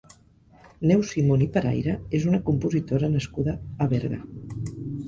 Neus Simon i Perayre és una compositora nascuda a Berga.